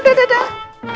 udah udah udah